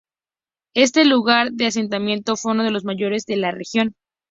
Este lugar de asentamiento fue uno de los mayores de la región.